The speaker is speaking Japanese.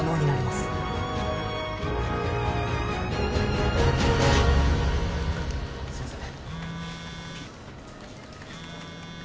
すいません